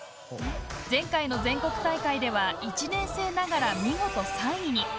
前回の全国大会では１年生ながら見事３位に。